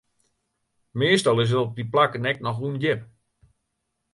Meastal is it op dy plakken ek noch ûndjip.